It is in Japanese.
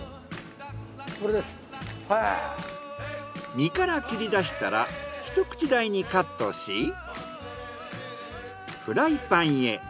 身から切り出したらひと口大にカットしフライパンへ。